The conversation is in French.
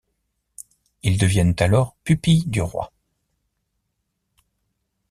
Ils deviennent alors pupilles du roi.